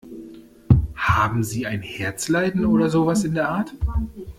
Haben Sie ein Herzleiden oder sowas in der Art?